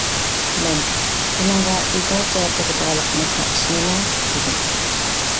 مەن: بۇنىڭغا ئۆزىڭىز جاۋاب تاپىدىغانلىقىڭىزغا ئىشىنىمەن دېدىم.